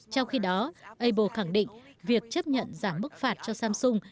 trong khi đó apple khẳng định việc chấp nhận giảm bức phạt cho samsung